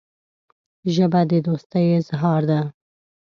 ژبه د دوستۍ اظهار ده